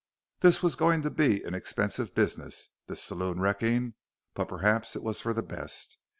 This was going to be an expensive business, this saloon wrecking. But perhaps it was for the best.